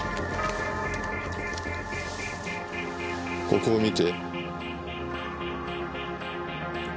ここを見て。